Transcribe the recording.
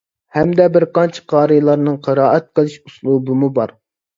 ھەمدە بىر قانچە قارىلارنىڭ قىرائەت قىلىش ئۇسلۇبىمۇ بار.